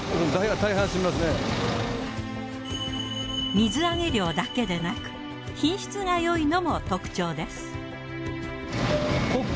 水揚げ量だけでなく品質がよいのも特徴です。